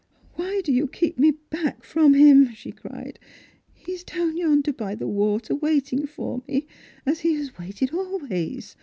•' Why do you keep me back from him ?" she cried. " He is down yonder by the water waiting for me, as he has waited always.